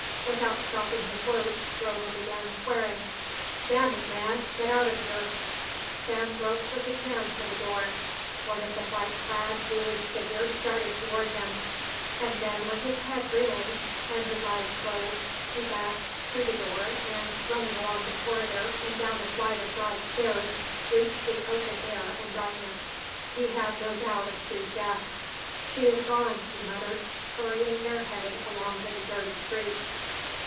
Without stopping his work, Grover began swearing. "Damn it, man, get out of here." Sam groped with his hand for the door. One of the white clad, ghoulish figures started toward him. And then with his head reeling and his eyes closed he backed through the door and, running along the corridor and down a flight of broad stairs, reached the open air and darkness. He had no doubt of Sue's death. "She is gone," he muttered, hurrying bareheaded along the deserted streets.